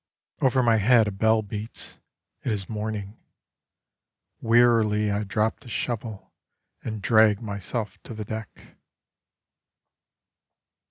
Over my head a bell beats: it is morning. Wearily I drop the shovel, And drag myself to the deck.